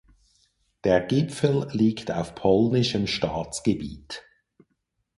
Der Gipfel liegt auf polnischem Staatsgebiet.